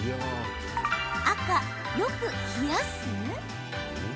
赤・よく冷やす？